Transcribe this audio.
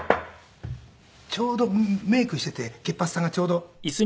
ちょうどメイクしていて結髪さんがちょうど。